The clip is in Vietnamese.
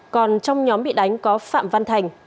còn trong nhóm bị đánh có phạm văn thành